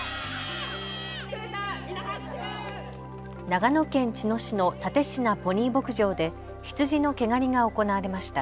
長野県茅野市の蓼科ポニー牧場で羊の毛刈りが行われました。